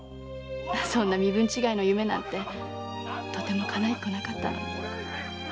そんな身分違いの夢なんてとてもかないっこなかったのに。